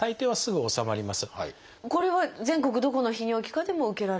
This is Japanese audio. これは全国どこの泌尿器科でも受けられる？